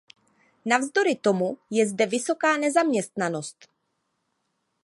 Navzdory tomu je zde vysoká nezaměstnanost.